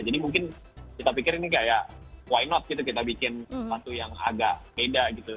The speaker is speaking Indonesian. jadi mungkin kita pikir ini kayak why not gitu kita bikin satu yang agak beda gitu